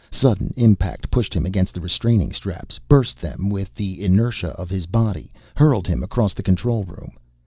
Sudden impact pushed him against the restraining straps, burst them with the inertia of his body, hurled him across the control room.